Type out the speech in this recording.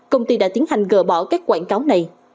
công ty đã tiến hành gỡ bỏ các quảng cáo này